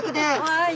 はい。